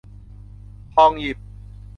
ทองหยิบ